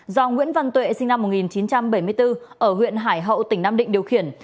do nguyễn văn tuệ sinh năm một nghìn chín trăm bảy mươi bốn ở huyện hải hậu tỉnh nam định điều khiển